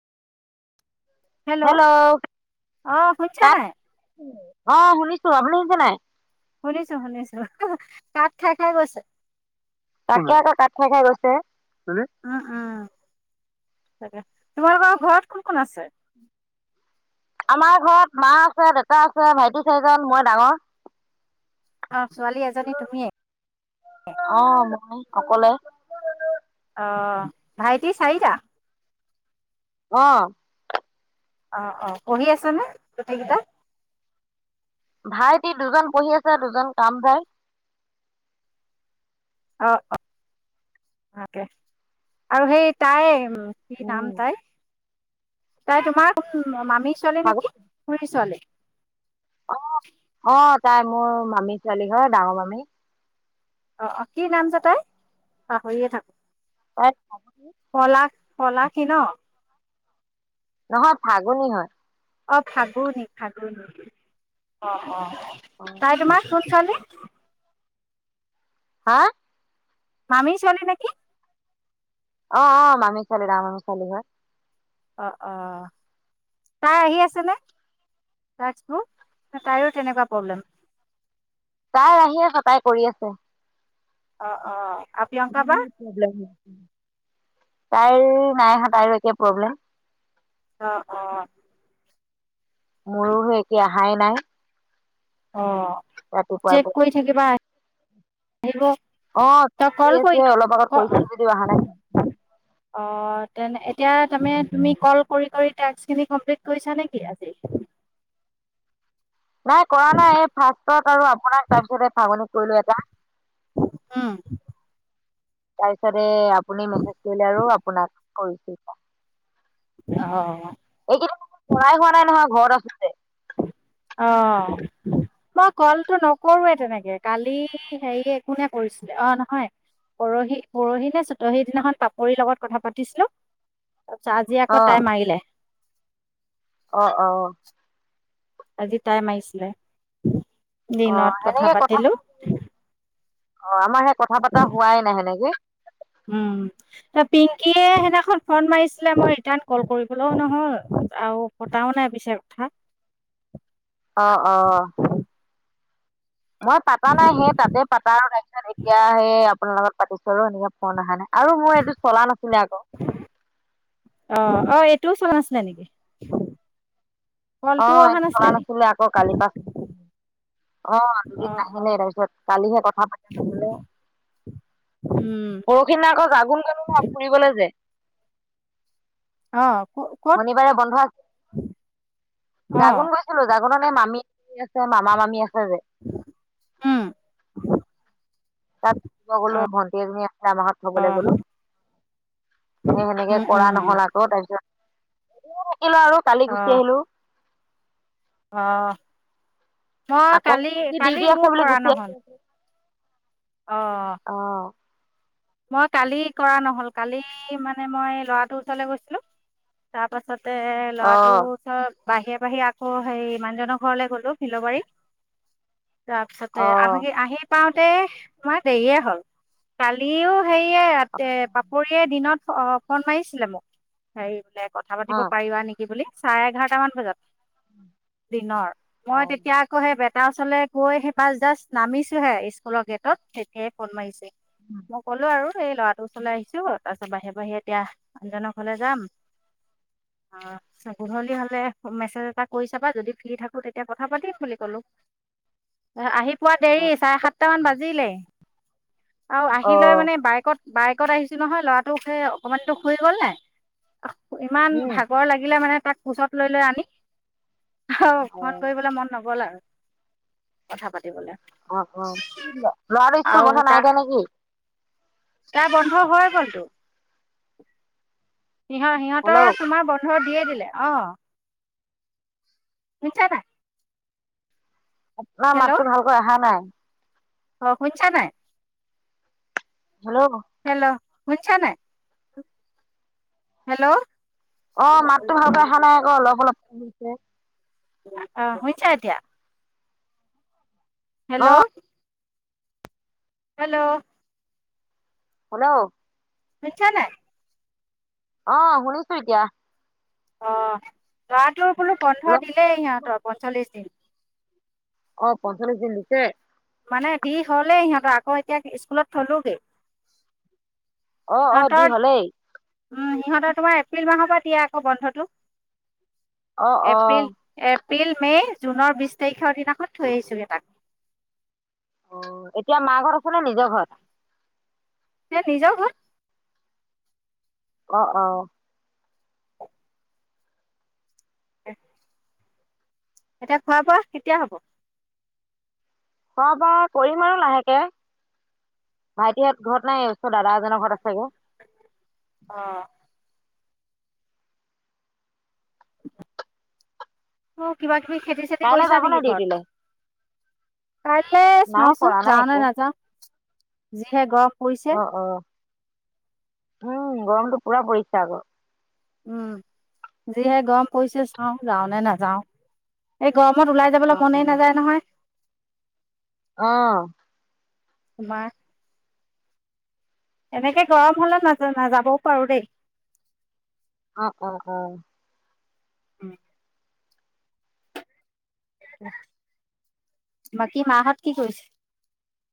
Hello অ শুনিছা তাত, নাই অ' শুনিছোঁ। আপুনি শুনিছে নে নাই? শুনিছোঁ শুনিছোঁ। কাত খাই খাই গৈছে। তাকে আকৌ, কাত খাই খাই গৈছে। উম উম, তাকে। তোমালোকৰ ঘৰত কোন কোন আছে? আমাৰ ঘৰত মা আছে, দেউতা আছে, ভাইটি চয়জন, মই ডাঙৰ। অ', ছোৱালী এজনী তুমিয়ে? অ', মই অকলে। অহ, ভাইটি চাৰিটা? অহ। অ' অ'। পঢ়ি আছে নে গোটেইকেইটা? ভাইটি দুজন পঢ়ি আছে, দুজন কাম যায়। অ' অ', তাকে। আৰু সেই তাই - কি নাম উম তাইৰ? তাই তোমাৰ মামিৰ ছোৱালী অ নেকি? খুৰিৰ ছোৱালী? অ', অ', তাই মোৰ মামীৰ ছোৱালী হয়, ডাঙৰ মামী। অ' অ', কি নাম যে তাইৰ? পাহৰিয়ে থাকোঁ। পেত। পলাশ-পলাশী ন'? নহয়, ফাগুনি হয়। অ', ফাগুনি ফাগুনি, অ', অ'। তাই তোমাৰ কোন ছোৱালী? হা? মামিৰ ছোৱালী নে কি? অ' অ', মামীৰ ছোৱালী, ডাঙৰ মামীৰ ছোৱালী হয়। অ' অ'। তাই আহি আছে নে, টাস্কটো? না তাইৰো তেনেকুৱা প্ৰব্লেম? তাই আহিয়ে সদায় কৰি আছে। অ' অ'। আৰু প্ৰিয়ংকা বা তাইৰ নাই আহা, তাইৰো একে প্ৰব্লেম। অ' অ'। মোৰো সেই একে, আহাই নাই। অহ, ৰাতিপুৱাৰ চেক পৰা কৰি থাকিবা। আহিব, অ ত' কল আছে কৰি, অলপ আগত কৰিছিলো যদিও অহা নাই ক'। অ' তেন, এতিয়া তুমি, তুমি কল কৰি কৰি টাস্কখিনি কমপ্লিট কৰিছা নেকি আজি? নাই কৰা নাই ফাৰ্ষ্টত আৰু আপোনাক তাপিছতে ফাগোনিক কৰিলো এটা। উম! তাৰপিছতে আপুনি মেছেজ কৰিলে আৰু আপোনাক। কৰিছো ক। অ অ। এইগেদিন একো কৰাই হোৱা নাই নহয় ঘৰত আছো যে। অঁ মই কলটো নকৰোৱে তেনেকে কালি হেৰি কোনে কৰিছিলে অঁ নহয়। পৰহি পৰহি নে চতহি দিনাখন পাপৰি লগত কথা পাতিছিলো। তাপিছত আজি আকৌ অ তাই মাৰিলে। অ অ। আজি টাই মাৰিছিলে অ দিনত কথা সেনেকে পাতিলো। অ আমাৰ সেই কথা পতা হোৱাই নাই সেনেকে। উম! ত পিংকিয়ে সেইদিনাখন ফোন মাৰিছিলে মই ৰিটাৰ্ণ কল কৰিবলৈও নহল আও পতাও নে পিছে থা। অ অ। মই পাতা নাই সেই তাতে পাতা আৰু তাৰপিছত এতিয়া সে আপোনাৰ লগত পাতিছো আৰু এনেকে ফোন অহা নাই। আৰু মোৰ এইটো চলা নাছিলে আকৌ। অ অ এইটোও চোৱা আছিলে নেকি। অ কলটোও অহা এটো চলা নেকি নাছিলে আকৌ কালি পা। অ অ দুদিন অ নাহিলে তাৰপিছত কালিহে কথা পাতিছিলো। উম। পৰহি দিনা ক আগুণ গালো ন ফুৰিবলৈ যে। অ ক। ক'ত শনিবাৰে বন্ধ আছিল অ জাগোন গৈ। কেলে জাগোনত মামী আছে মামা-মামী আছে যে। উম। তাত থাকিব গলো ভণ্টি এজনী আমাৰ ঘৰত অ থবলৈ গ'লো। সেই সেনেকে উম কৰা উম নহল আকৌ তাৰপিছত থাকিলো আৰু কালি অ গুচি আহিলো। অ মই আকৌ কালি আজি ডিউটি কালি আছে মোৰ বুলি কৰা গুচি নহ'ল। আহিলোঁ অ। অ। মই কালি কৰা নহল কালি মানে মই ল'ৰাটোৰ ওচৰলৈ গৈছিলো। তাৰ পাছতে ল'ৰাটো অঁ ওচৰত। বাহিয়ে- বাহিয়ে আকৌ হেই মানুজনৰ ঘৰলে গলো শিলবাৰীত। তাৰপিছতে অঁ আহি আহি পাওতে তোমাৰ দেৰিয়ে হ'ল। লিও সেয়ে ৰা পাপৰিয়ে দিনত ফোন মাৰিছিলে মোক। হেৰি বোলে কথা পাতিব অঁ পাৰিবা নেকি বুলি চাৰে এঘাৰটা মান বজাত দিনৰ। অঁ মই অঁ তেতিয়া। কে বেটা ওচলে গৈ সেই পা জাষ্ট নামিছোহে স্কুলৰ গেটত তেতিয়াই ফোন মাৰিছে। উম। মই কলো আৰু এই ল'ৰাটো ওচললৈ আহিছো তাৰ পিছত বাহি বাহিৰে এতিয়া আন্জনৰ ঘৰলে যাম অ। গোধূলি হলে মেছেজ এটা কৰি চাবা যদি ফ্ৰী থাকো তেতিয়া কথা পাতিম বুলি কলো আহি পোৱা দেৰি চাৰে সাতটামান বাজিলে। আও আহি লৈ অঁ মানে বাইকত বাইকত আহিছো নহয় ল'ৰাটোক সেই অকমানিটো শুই গ'ল নাই। ইমান ভাগৰ লাগিলে মানে তাক কোচত লৈ লৈ আনি। আহ অঁ ফোন কৰিবলৈ মন নগ'ল আৰু কথা পাতিবলে। অ অ ক দিলে? ল'ৰাটো স্কুল বন্ধ নাই দিয়া নেকি? তাই বন্ধ হৈ গ'লটো। ইহঁত হেল্ল' সিহঁতৰ তোমাৰ বন্ধৰ দিয়ে দিলে, অ। শুনিছা না? আপোনাৰ হেল্ল' মাততো ভালকৈ অহা নাই। অ শুনিছা নাই? হেল্ল'। হেল্ল' শুনিছা নাই? হেল্ল'। অ মাততো ভালকে অহা নাই আক অলপ অলপ আহিছে। অ শুনিছা এতিয়া? হেল্ল'। অঁ হেল্ল'। হেল্ল'। শুনিছা নাই? অ শুনিছো এতিয়া। অ লৰাটো বোলো বন্ধ হেল্ল' দিলেই সিহঁতৰ পঞ্চল্লিশ দিন। অ পঞ্চলিশদিন দিছে। মানে দি হ'লেই সিহঁতৰ আকৌ এতিয়া স্কুলত থলোগে। অ অ দি সিহঁতৰ হলেই উম সিহঁতৰ তোমাৰ এপ্ৰিল মাহৰ পৰা দিয়ে আক বন্ধটো। অ অ এপ্ৰিল এপ্ৰিল মে' জুনৰ বিছ তাৰিখৰ দিনাখন থৈ আহিছোগে তাক। অ এতিয়া মা ঘৰ আছে নে নিজৰ ঘৰত? এ নিজৰ ঘত। অ অ। এতিয়া খোৱা বোৱা কেতিয়া হ'ব? খোৱা বোৱা কৰিম আৰু লাহেকে। ভাইটিহঁত ঘৰত নাই ওচৰ দাদা এজনৰ ঘৰত আছেগে। অ। ত কিবা কিবি খেতি চেতি কাইলৈ কৰিছা যাব নে নেকি ডিউটিলে ঘৰত? কাইলে নাই চাওঁচোন কৰা নাই যাওঁ নে একো নাযাওঁ যিহে গ অ অ, উম গৰমটো পুৰা পৰিছে আক। উম যিহে গম পৰিছে চাও যাও নে নাযাও। এই গৰমত ওলাই অ যাবলে মনেই নাযায় নহয়। অ। তোমাৰ এনেকে গৰম হ'লে না নাযাবও পাৰো দেই। অ অ অ। উম। বাকী মাহঁত কি কৰিছ